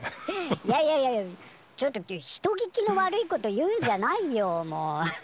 いやいやいやちょっと人聞きの悪いこと言うんじゃないよもう！